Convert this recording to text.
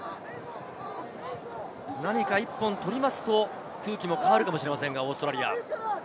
何か１本取ると、空気も変わるかもしれませんね、オーストラリア。